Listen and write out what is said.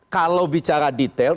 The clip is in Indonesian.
kalau bicara detail